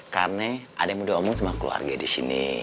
karena ada yang mau diomong sama keluarga di sini